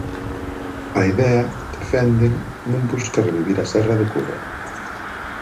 A idea, defenden, non busca revivir a Serra do Courel.